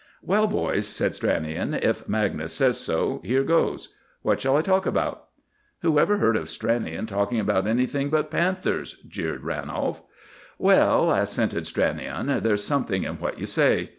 "Well, boys," said Stranion, "if Magnus says so, here goes. What shall I talk about?" "Who ever heard of Stranion talking about anything but panthers?" jeered Ranolf. "Well," assented Stranion, "there's something in what you say.